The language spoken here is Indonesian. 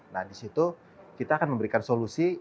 nah disitu kita akan memberikan solusi